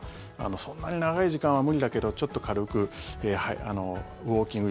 そんなに長い時間は無理だけどちょっと軽くウォーキング